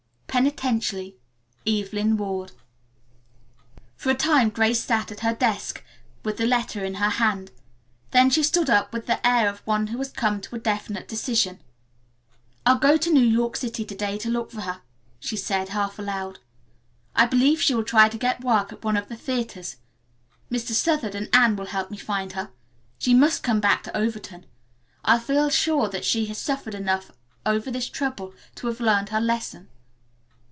"Penitently, "EVELYN WARD." For a time Grace sat at her desk with the letter in her hand. Then she stood up with the air of one who has come to a definite decision. "I'll go to New York City to day to look for her," she said half aloud. "I believe she will try to get work at one of the theaters. Mr. Southard and Anne will help me find her. She must come back to Overton. I feel sure that she has suffered enough over this trouble to have learned her lesson."